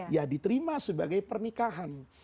ya diterima sebagai pernikahan